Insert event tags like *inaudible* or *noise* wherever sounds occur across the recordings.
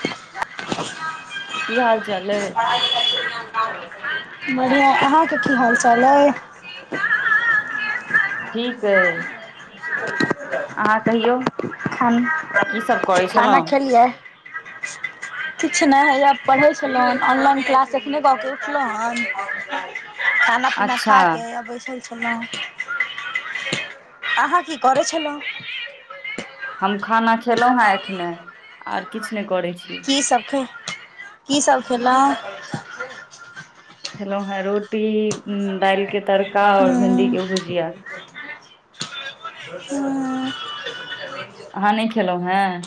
*unintelligible* की हाल चाल अइ बढ़िआँ अहाँके की हाल चाल अइ ठीक ऐ *unintelligible* अहाँ कहियो खाना छलहुँ खेलियै किछु नैय हैया पढ़ै छेलौ हँ ऑनलाइन क्लास एखने कऽ के उठलौ हन *unintelligible* खाना पीना अच्छा खा के बैसल छेलौ अहाँ की करेै छेलौ हम खाना खेलौ हैय एखने आौर किछ नैय करै छी की सब- की सब खेलौ खेलौ हंऽ रोटी दैल के तड़का और भिंडी हूँ कऽ भुजिया *unintelligible* *unintelligible* आहाँ नैय खेलौ हें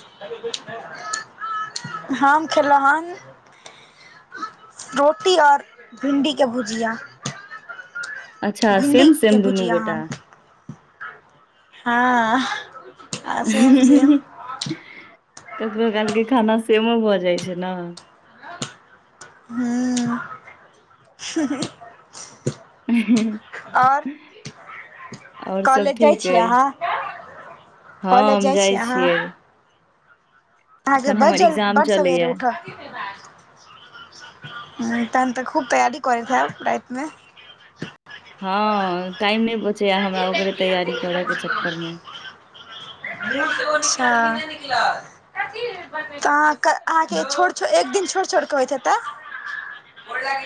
हम खेलौ हन रोटी और भिंडी कऽ भुजिया अच्छा भिंडी सेम कऽ सेम दुनू भुजिया गोटा ह हाँ ककरो घर के खाना सेमो भऽ जाइ छै नऽ हुँ आौर आओर सब कॉलेज जाइ ठीक छियै अइ आहाँ हँ हम जाइ छियै आहाँ एखन बड हमर -जल्द- एग्जाम बड सबेरे चलैया उठह हू तहन तऽ खूब तैयारी करैत हेअब रैतमे हँ टाइम नैय बचैया हमरा ओकरे तैयारी करऽ के चक्कर मे अच्छा तअ *unintelligible* एक दिन छोड़- छोड़ के होइत हेतै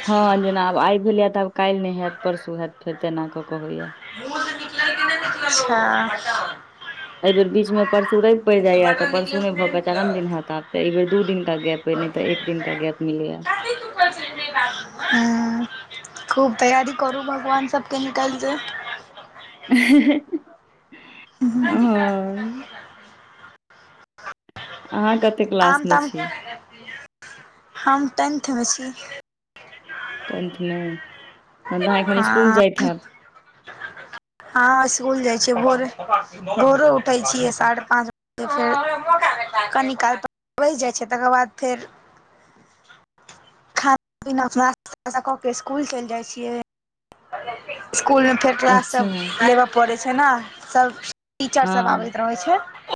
हँ जेना आब आइ भेलै या तऽ आब कैल नै हेऽत परसू हेऽत फेर तेना कऽ क होइया अच्छा एैय बेर बीच मे परस *unintelligible* पैर मुँह से जाइय या तऽ बटन परसू निकलल न नैह कि भऽ नहि पेऽत चारम निकलल। दिन हेऽत आब तऽ ऐय बेर दू दिन का गैऽप नहि तऽ एक दिन का गैऽप मिलैया हू खूब तैयारी करू भगवान सबके निकैल जे *unintelligible* ओ आहाँ कऽ आम ताम हम टेंथ मऽ छी टेंथ मे तहन तऽ अहाँ एखन स्कुल हँ जाइत हेऽब हँ स्कुल जाय छियै भोरे -भोरे उठेै छियै सारहे पाँच बजे फेर कनी काल *unintelligible* जाइत छै तकर बाद फेर *unintelligible* कऽ के स्कूल चैल जाय छियै स्कूल मे फेर क्लास अच्छा सब करबऽ पड़ैय छै नऽ सब टीचर सब हँ आबैत रहै छैय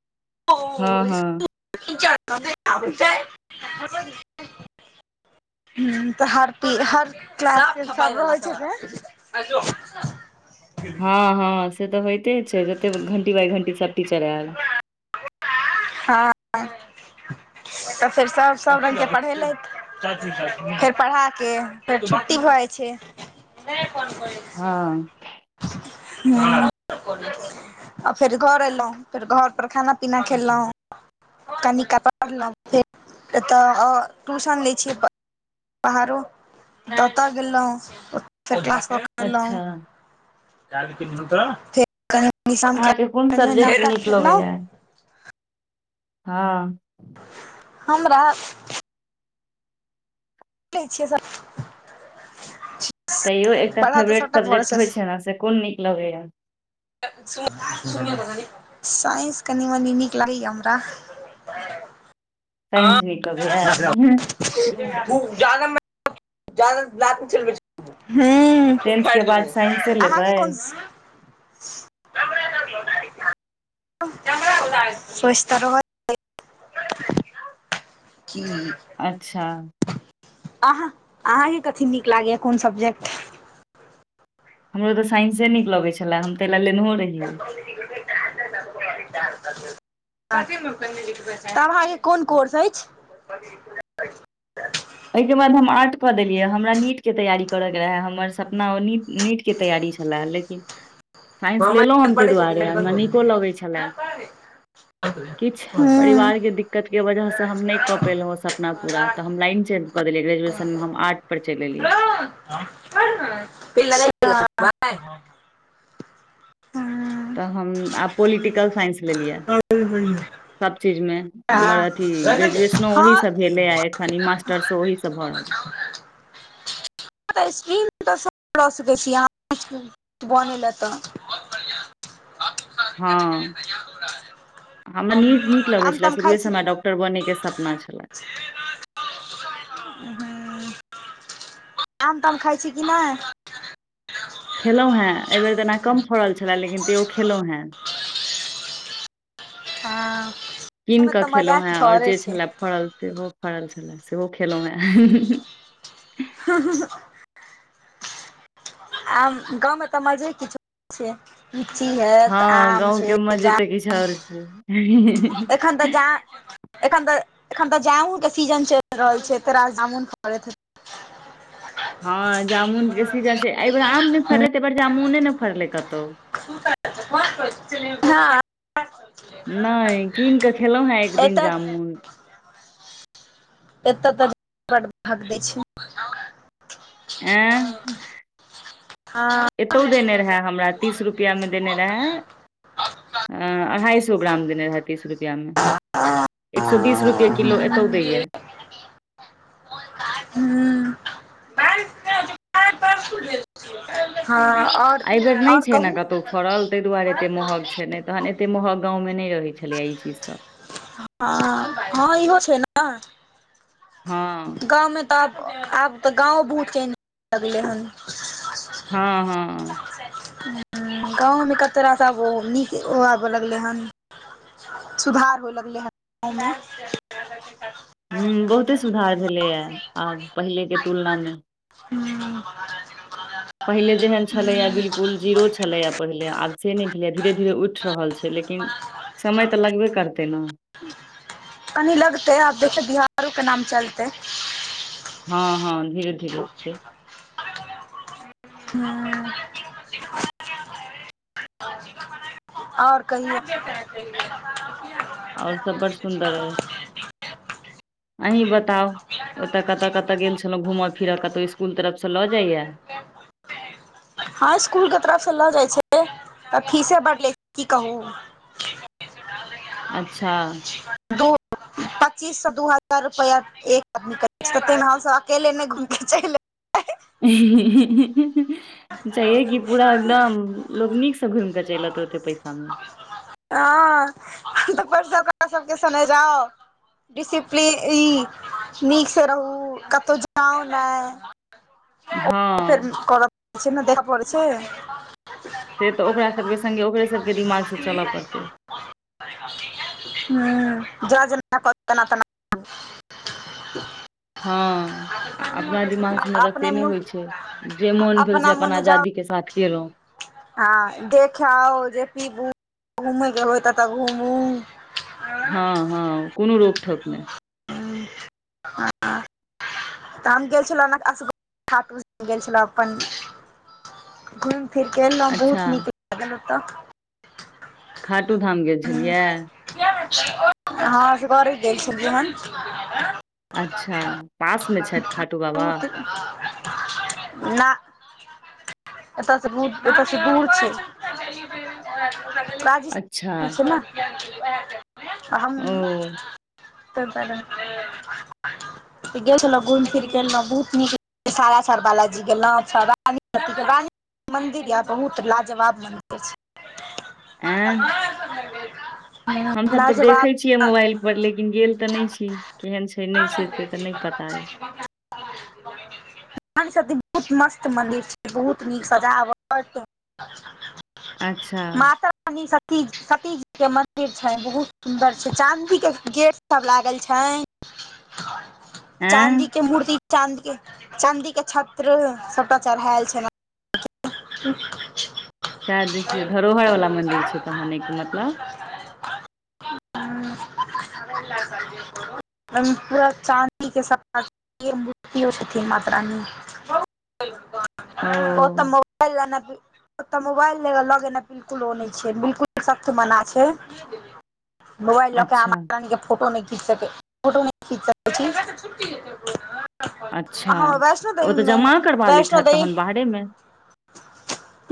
हँ हँ *unintelligible* हू तऽ हरती हर क्लास होइ छैय ने हँ हँ से तऽ होयइते छैय जते घंटी बाइ घंटी सभ टीचर आयल हँ तऽ फेर सब सब रङंगके पढ़ेलथि फेर पढ़ा के फेर छुट्टी भऽ जाइ छैय हँ हँ आ फेर घर एलौ फेर घर पर खाना पीना खेलौ कनि काल पढ़लौ फेर एतऽ ट्यूशन लै छियै बाहरो ततय गेलौ ओतय *unintelligible* क्लास कऽ के एलौ अच्छा अहाँके कोन सब्जेक्ट *unintelligible* नीक खेलौ लगैया हँ हमरा लै छिय सब तैयो एकटा पढ़ऽ तऽ फेवरेट सबटा पढ़ै सब्जेक्ट छै होइ छैय ने से कोन नीक लगैया *unintelligible* साइंस कनि मनी नीक लागैया हमरा *inaudible* साइंस नीक लगैया *unintelligible* जादा जादा लात नै चलबै टेंथ छै के हूं बाद साइंसे *unintelligible* अहाँके लेबै कोन स्वसथ्य रह *unintelligible* की *unintelligible* अच्छा अहाँ अहाँकेँ कथी नीक लागैए कोन सब्जेक्ट हमरो तऽ साइंसे नीक लगै छले हम तैलए लेनहो रहियै *unintelligible* *unintelligible* तब अहाँके कोन कोर्स अछि एहिके बाद हम आर्ट कऽ देलियै हमरा नीट के तैयारी करे कऽ रहे हमर सपना ओ नीट - नीट के तैयारी छलेऽ लेकिन साइंस मामा लेलहुँ हम ताहि पढ़ै छथिन दुआरे लाइट बंद कऽ हमरा नीको लगै छलए दियौ किछ हूँ परिवार के दिक्कत के वजह से हम नय कऽ पेयलौ सपना पूरा तऽ हम लाइन चेंज कऽ देलिय ग्रेजुएशन मऽ हम आर्ट पर चलि एलियै प ल *unintelligible* तऽ हम आब पोलिटिकल साइंस लेलिया सब चीज मे हमर अथी ग्रेजुएशनो हँ ओहीसँ भेल अइ आ एखन ई मास्टर्सो ओहीसँ भऽ रहल यै स्क्रीन तऽ सब लऽ सकै छीआहाँ बने ल तऽ हँ हमरा नीट नीक लगै आम छलै ताम खाइ शुरुए सऽ छी हमरा डॉक् टर बनै के सपना छऽले आम ताम खाइ छी कि नय खेलौ हेँ एहि बेर त एना कम फड़ल छले लेकिन तैयो खेलौं हेँ हँऽ कीन कऽ खेलौं हें और जे छलए फड़ल सेहो फड़ल छलए सेहो खेलहुॅं हें हॅंअ हॅंअ हॅंअ आ गाँव मे तऽ मजे किछो छै लीची हेत हँ आम छै हँ *unintelligible* एखन तऽ जा एखन तऽ एखन तऽ जाऊन के सीजन चलि रहल छैय तोरा जामुन फड़ेत हेतो हँ जामुन के सीजन छैय एहि बेेर आम नय हेतौ। फड़लै तऽ एहिबेर जामुने ने फड़लै कतौ *unintelligible* हं *unintelligible* नहि कीन कऽ खेलहुँ हेँ एक दिन एतह जामुन एते त भग दै छै एं हाँ एतौ देने रहे हमरा तीस रुपैया मे देने रेहा अढाई सौ ग्राम देने रहै तीस रुपया मे एक सो बीस रुपैए किलो एतौ दैया हूँ हं आओर एहि बेर नहि आओर छैय ने कहू कतौ फड़ल ताहि दुआरे एते महग छै ने तहन एते महग गाँवमें नहि रहै छलैा ई चीजसँ आ हँ इहो छैय नऽ हँ गाँवमे तऽ आब - आब तऽ गाँव बहुत चेंज भऽ गलै हन हँ हँ गाँवमे कते रास आब निक ओ आबय लगलै हन। सुधार होय लगलै हन गाँवमे हु बहुते सुधार भेलेय हैय आब पहिले के तुलना मे। हु। पहिले जेहन छलैया बिल्कुल जीरो छलैए पहिले आब से नहि भेलो धीरे धीरे उठ। रहल छै लेकिन समय तऽ लगबे करतै नऽ कनी लगते आब देखे बिहार कऽ नाम चलते। हँ हँ धीरे धीरे होते। हु। ओर कहहियो। ओर सब बढ़ सुन्दर अछि अहि बताओ। बताउ ओतय कतऽ कतऽ गेल छलौं घूम फिर कतौ स्कुल तरफ सऽ लऽ जाइया। *unintelligible* हँ स्कूल के तरफ से लऽ जाइ छै तऽ फीसे बढ़ ले छै की कहू अच्छा। *unintelligible* पच्चीस से दू हजार रुपया एक आदमी कर तेमे हम सब से अकेले नहि घुमे छैय चेल ऐना। *unintelligible* जहिमे कि पुरा एकदम लोक नीकसँ घुम कऽ चलि अतै ओते पैसा मे। हँ तऽ ऊपर सऽ सबके संगे जाव। डिसिप्लीिग नीक से रहु कतहु जउ नहि। फेर हँ कर पड़ छैय ने देखा पड़ छैय। से तऽ ओकरा सबके संगगे ओकरे सबके दिमाग से चलऽ पड़ते। हु जना जना कहते तना-तना। *unintelligible* हँ अपना दिमाग मे ररत अपने सेेने मुँह होइ छैय। जे मोन भेल से अपना अपन मोने जाउ आजादी के साथ केलहु। हँ जेखाऊ आव जे पिबु घूमेके होयत तऽ घूमु। हँ हँ कोनो रोक थोक नहि। तऽ हम गेल छलो गेल छलो अपन घूम फिर कऽ ऐलहु अच्छा बहुत निक लागल ओतह। खाटू धाम गेल छेलिये। हँ असगरे गेल छलियै हन। अच्छा पासमे छैथ खाटू बाबा। बहुत ना। एतयसँ बहुतदूर एतयसँ दूर छैय। अच्छा राजस्थान छै नऽ तऽ ओ हम। *unintelligible* गेल छलो घुमि फिर के एलों बहुत नीक *unintelligible* बालाजी गेलों मन्दिर यऽ बहुत लाजवाब मन्दिर *unintelligible* हमसब तऽ देखै छियै मोबाइल पर लेकिन गेल तऽ नहि छी केहन छै नहि छै से तऽ नहि पता अइ *unintelligible* *unintelligible* बहुत मस्त मन्दिरछै बहुत नीक सजावट। अच्छा। माता रानी सती सती के मंदिर छै बहुत सुन्दर छै चाँदीके गेट। इ सब लागल छैन। एँ चाँदी के मुर्ति चाँदीके चाँदीके छत्र सबटा चढ़ायल छलहन *unintelligible* सैह देखियौ धरोहर वाला मंदिर छै तहन ऐके मतलब *unintelligible* एकदम पूरा चाँदी के सबटा मूर्ति छथिन मातरानी के ओ तऽ मोबाइल *unintelligible* ओतऽ मोबाइल लगेनाइ बिल्कुल ओ नहि छै बिल्कुले सख्त मना छै मोबाइल लऽ अहाँ अच्छा मातारानीके फोटो नहि खींच सकै छी फोटो नै खींच आब छी अच्छा अहाँ वैष्णो ओ तऽ देवीमे जमा करबा लैत वैष्णो देवी *unintelligible*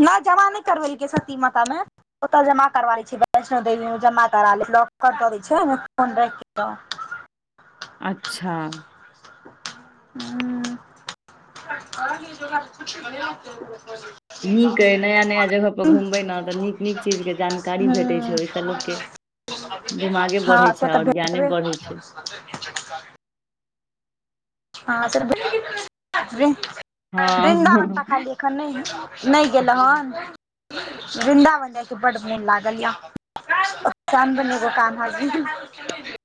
नै जमा नैऽ करवैलकै सती मातामे ओतऽ जमा करवा लै छै वैष्णोदेवी जमा करा लेत लॉक दऽ दै छै फोन राखि कऽ अच्छा हूँ *unintelligible* नीक अइ नया नया जगह पर घुमबै ने तऽ नीक नीक चीज के जानकारी भेटैत छै ओहिसँ लोकके दिमागे बढ़ै हाँ छै से तऽ आओर ज्ञाने भेटबै बढ़ै छै हाँ से तऽ हँ बृन्दावन *unintelligible* एखन नहि नहि गेलो हन वृन्दावन जायके बड्ड मोन लागल या *unintelligible*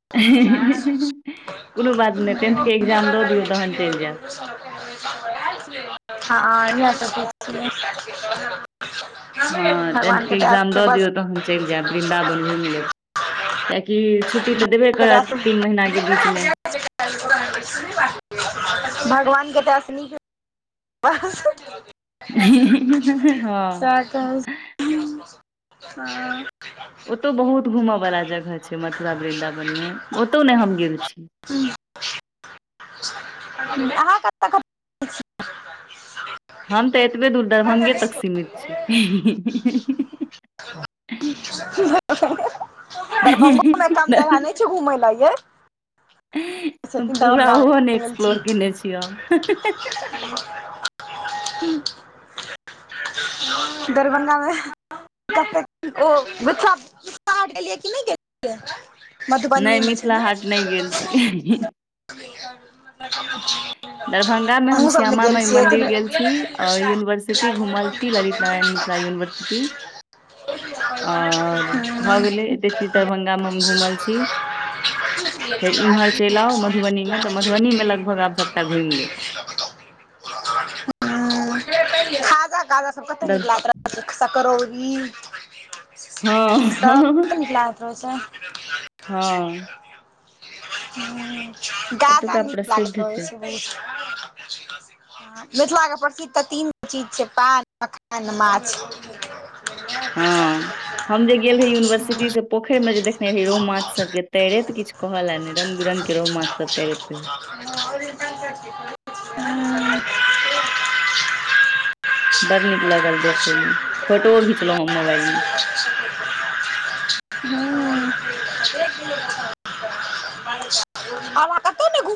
कोनो बात नहि हँ तेन्थके एग्जाम दऽ दियौ तहन चलि जायब हाँ यहै सोचैतऽ छियै हाँ तेन्थके भगवानके दया एग्जाम से दऽ बस दियौ तहन चलि जायब वृन्दावन घुमि लेब कियकि छुट्टी छुट्टी तऽ देबे के दया से करत तीन महिना के बीचमे *unintelligible* भगवान के दया से निक *unintelligible* सैह हँ कहै छी हाँ ओतौ बहुत घूमय वाला जगह छै मथुरा वृन्दावन में ओतौ नय हम गेल छी हूँ अहाँके तखन *unintelligible* हम तऽ एतबे दूर दरभ्ंगे तक सीमित छी *unintelligible* दरभ्ंगोमे कम जगह नहि छै घूमय लाए यै छथिन पूरा दरभंगा ओहो नहि मे गेल एक्सप्लोर केने छी हम *unintelligible* दरभंगामें *unintelligible* गेलियै कि नहि गेलियै नहि मधुबनी मे छै मिथिला ने हाट नहि गेल छियै *unintelligible* दरभंगा मे हम ने श्यामा गेल माई छियै कि मंदिर नहि गेल छी और यूनिवर्सिटी घुमल छी ललित नारायण मिथिला यूनिवर्सिटी *unintelligible* आओर भऽ गेलै एते चीज दरभंगा मऽ हम घुमल छी फेर इम्हर चलि आउ मधुबनी मे तऽ मधुबनी मे लगभग आब सबटा घुमि लेलहु हं खाजा गाजा सब कते निक दर- लागैत सकरौरी ई सब कते हँ निकलागैत रहै से *unintelligible* हँ हू गाजा ओतुका नीक लागैत प्रसिद्ध रहै छै बहुत *unintelligible* मिथिलाके प्रसिद्ध तऽ तीन चीज छै पान मखान माछ हँ हम जे गेल रहियै यूनिवर्सिटी से पोखरि मे जे देखने रहियै रौह माछ सब के तैरैत कहल ने रंग बिरंगक रौह माछ सब तैरैत *unintelligible* बड़ नीक लागल देखय मे फोटोओ घिचलहुॅं हम मोबाइल मे *unintelligible* *unintelligible* *unintelligible* हावा कतौ ने घुम